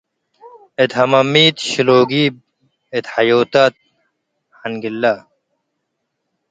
እት ሀመሚት ሽሎጊብ - እት ሐዮታት ሐንግላ